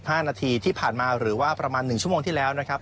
ห้านาทีที่ผ่านมาหรือว่าประมาณหนึ่งชั่วโมงที่แล้วนะครับ